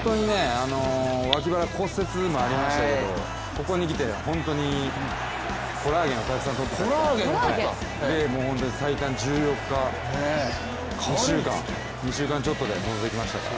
脇腹骨折もありましたけど、ここにきて、本当にコラーゲンをたくさんとって最短１４日、２週間ちょっとでいきましたから。